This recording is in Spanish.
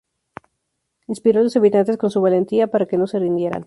Inspiró a los habitantes con su valentía para que no se rindieran.